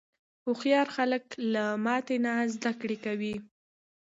هوښیار خلک له ماتې نه زده کوي.